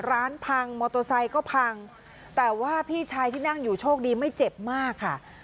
ร้านพังมอเตอร์ไซค์ก็พังแต่ว่าพี่ชายที่นั่งอยู่โชคดีไม่เจ็บมากค่ะ